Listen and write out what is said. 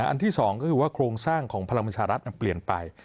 อันที่๒ก็คือว่าโครงสร้างของพลังประชารัฐเปลี่ยนไป